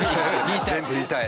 全部言いたい。